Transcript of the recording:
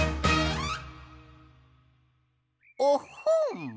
おっほん。